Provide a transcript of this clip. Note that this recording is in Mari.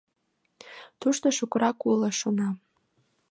Тушто шукырак уло, шона.